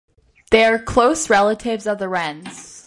They are close relatives of the wrens.